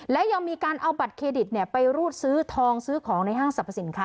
และยังมีการเอาบัตรเครดิตไปรูดซื้อทองซื้อของในห้างสรรพสินค้า